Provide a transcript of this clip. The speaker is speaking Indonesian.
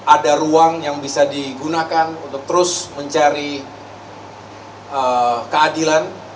ada ruang yang bisa digunakan untuk terus mencari keadilan